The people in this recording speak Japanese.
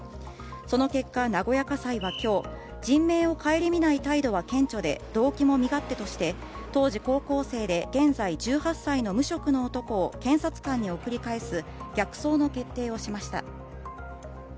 その結果、名古屋家裁は今日、人命を顧みない態度は顕著で動機も身勝手として当時、高校生で現在１８歳の無職の男を検察官に送り返す逆送の決定をしました。